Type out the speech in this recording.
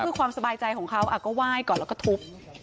เพื่อความสบายใจของเขาก็ไหว้ก่อนแล้วก็ทุบ